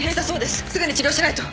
すぐに治療しないと。